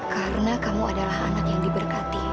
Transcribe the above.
karena kamu adalah anak yang diberkati